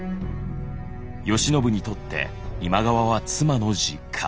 義信にとって今川は妻の実家。